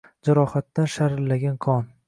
Jarohatdan sharillagan qon